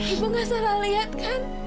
ibu gak salah lihat kan